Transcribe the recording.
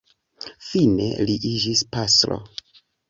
Fine li iĝis pastro.